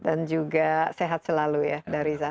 dan juga sehat selalu ya uda riza